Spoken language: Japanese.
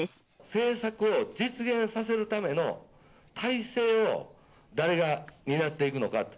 政策を実現させるための体制を誰が担っていくのかと。